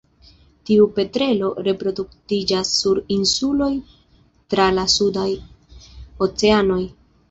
Tiu petrelo reproduktiĝas sur insuloj tra la sudaj oceanoj.